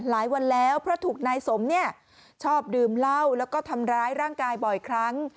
หลายวันแล้วเพราะถูกนายสมเนี่ยชอบดื่มเหล้าแล้วก็ทำร้ายร่างกายบ่อยครั้ง